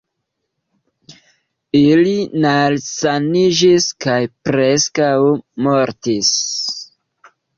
Ili nalsaniĝis kaj preskaŭ mortis.